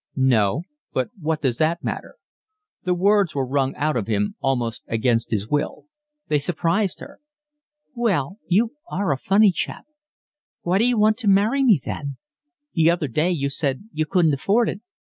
"No. But what does that matter?" The words were wrung out of him almost against his will. They surprised her. "Well, you are a funny chap. Why d'you want to marry me then? The other day you said you couldn't afford it."